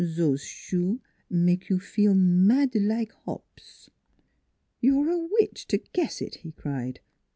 Zose shoe make you feel mad like hops." " You are a witch to guess it," he cried.